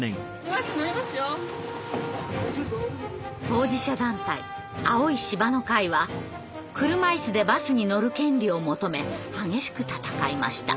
当事者団体「青い芝の会」は車いすでバスに乗る権利を求め激しく闘いました。